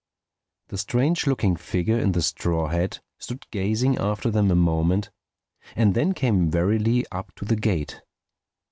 The strange looking figure in the straw hat stood gazing after them a moment and then came wearily up to the gate.